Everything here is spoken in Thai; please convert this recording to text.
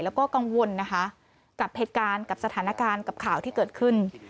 แล้วก็กังวลนะคะกับเหตุการณ์กับสถานการณ์กับข่าวที่เกิดขึ้น